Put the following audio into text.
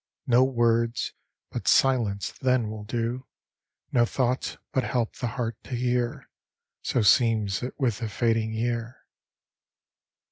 No words, but silence, then will do, No thoughts but help the heart to hear: So seems it with the fading year.